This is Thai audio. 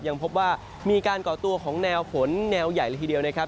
ยังพบว่ามีการก่อตัวของแนวฝนแนวใหญ่เลยทีเดียวนะครับ